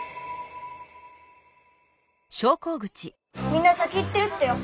みんな先行ってるってよ。